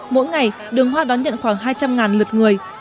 mỗi ngày đường hoa đón nhận khoảng hai trăm linh lượt người